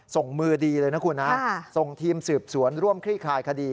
ส่งมือดีเลยนะคุณนะส่งทีมสืบสวนร่วมคลี่คลายคดี